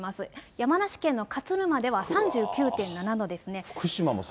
山梨県の勝沼では３９．７度ですね。